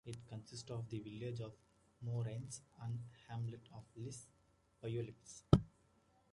It consists of the village of Morrens and the hamlet of Les Biolettes.